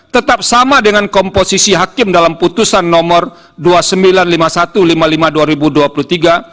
tetap sama dengan komposisi hakim dalam putusan nomor dua puluh sembilan lima puluh satu lima puluh lima dua ribu dua puluh tiga